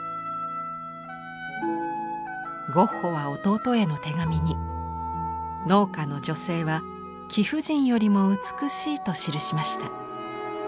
ゴッホは弟への手紙に「農家の女性は貴婦人よりも美しい」と記しました。